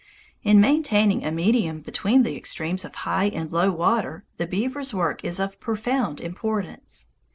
In maintaining a medium between the extremes of high and low water, the beaver's work is of profound importance.